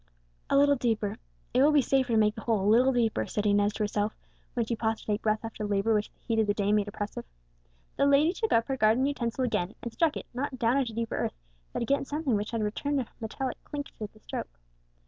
"A little deeper, it will be safer to make the hole a little deeper," said Inez to herself, when she paused to take breath after labour which the heat of the day made oppressive. The lady took up her garden utensil again, and struck it, not down into deeper earth, but against something hard which returned a metallic clink to the stroke.